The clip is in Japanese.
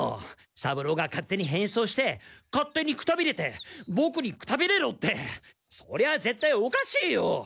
三郎が勝手に変装して勝手にくたびれてボクにくたびれろってそりゃぜったいおかしいよ。